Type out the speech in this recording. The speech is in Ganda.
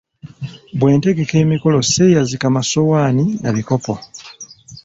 Bwe ntegeka emikolo sseeyazika masowaani na bikopo.